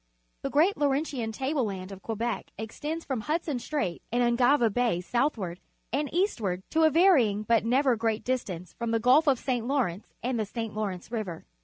The great Laurentian table land of Quebec_ extends from Hudson Strait and Ungava Bay southward and eastward to a varying but never great distance from the Gulf of St. Lawrence and the St. Lawrence River.